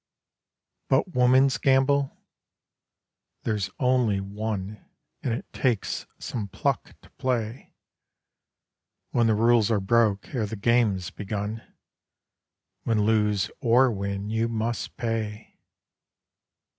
But woman's gamble (there's only one: And it takes some pluck to play, When the rules are broke ere the game's begun; When, lose or win, you must pay!)